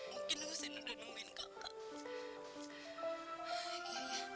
mungkin usin udah nungguin kakak